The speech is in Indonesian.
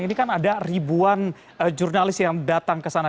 ini kan ada ribuan jurnalis yang datang kesana